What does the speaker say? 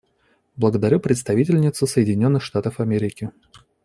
Благодарю представительницу Соединенных Штатов Америки.